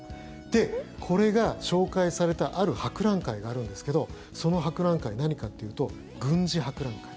で、これが紹介されたある博覧会があるんですけどその博覧会、何かというと軍事博覧会。